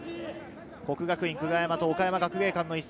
國學院久我山と岡山学芸館の一戦。